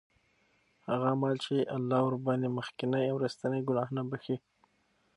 هغه أعمال چې الله ورباندي مخکيني او وروستنی ګناهونه بخښي